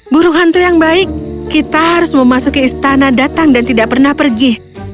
burung hantu yang baik kita harus memasuki istana datang dan tidak pernah pergi